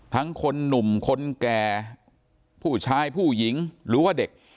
คนหนุ่มคนแก่ผู้ชายผู้หญิงหรือว่าเด็ก